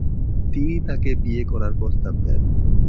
তিনি তাকে বিয়ে করার প্রস্তাব দেন।